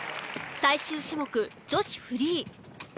最終種目女子フリー。